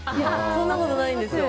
そんなことないんですよ。